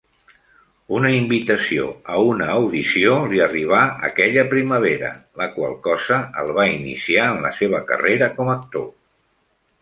Una invitació a una audició li arribà aquella primavera, la qual cosa el va iniciar en la seva carrera com actor.